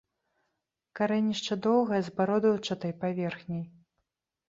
Карэнішча доўгае, з бародаўчатай паверхняй.